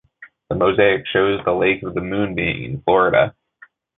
The mosaic shows the Lake of the Moon being in Florida.